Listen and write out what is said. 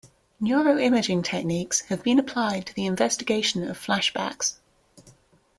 Neuroimaging techniques have been applied to the investigation of flashbacks.